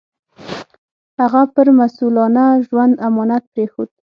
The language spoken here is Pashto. هغه پر مسوولانه ژوند امانت پرېښود.